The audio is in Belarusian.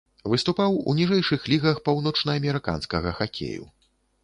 Выступаў у ніжэйшых лігах паўночнаамерыканскага хакею.